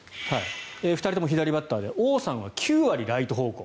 ２人とも左バッターで王さんは９割ライト方向。